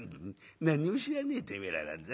何にも知らねえてめえらなんざ。